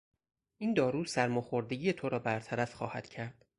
این دارو سرماخوردگی تو را برطرف خواهد کرد.